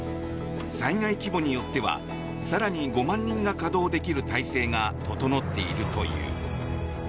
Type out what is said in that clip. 災害規模によっては更に５万人が稼働できる体制が整っているという。